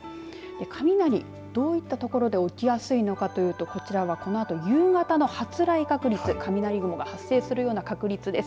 雷、どういった所で起きやすいのかというとこちらはこのあと夕方の発雷確率雷雲が発生するような確率です。